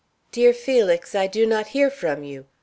DEAR FELIX: I do not hear from you.